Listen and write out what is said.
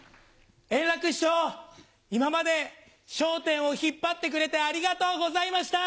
円楽師匠、今まで笑点を引っ張ってくれてありがとうございました。